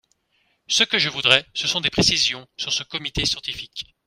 Ce que je voudrais, ce sont des précisions sur ce comité scientifique.